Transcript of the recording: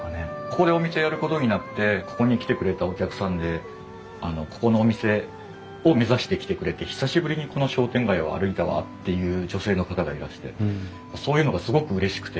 ここでお店やることになってここに来てくれたお客さんでここのお店を目指して来てくれて「久しぶりにこの商店街を歩いたわ」っていう女性の方がいらしてそういうのがすごくうれしくて。